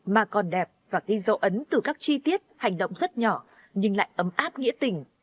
mà còn đẹp và ghi dấu ấn từ các chi tiết hành động rất nhỏ nhưng lại ấm áp nghĩa tình